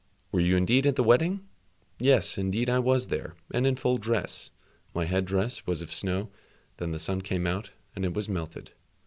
"Were you indeed at the wedding?" "Yes, indeed I was there, and in full dress. My head dress was of snow; then the sun came out, and it was melted.